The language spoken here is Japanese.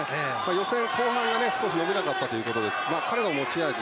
予選、後半が少し伸びなかったということで彼の持ち味